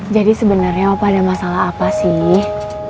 jadi sebenernya opa ada masalah apa sih